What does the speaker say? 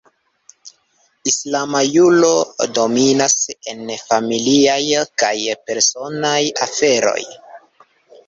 Islama juro dominas en familiaj kaj personaj aferoj.